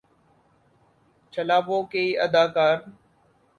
چھلاوہ کی اداکار